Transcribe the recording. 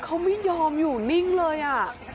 เขาไม่ยอมอยู่นิ่งเลยอ่ะ